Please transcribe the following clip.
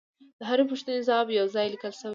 د هرې پوښتنې ځواب یو ځای لیکل شوی دی